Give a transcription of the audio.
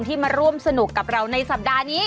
มาร่วมสนุกกับเราในสัปดาห์นี้